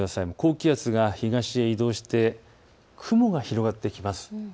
高気圧が東へ移動して雲が広がってきます。